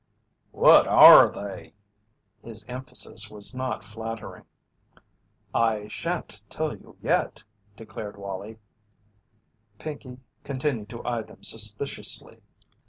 "What are they?" His emphasis was not flattering. "I shan't tell you yet," declared Wallie. Pinkey continued to eye them suspiciously.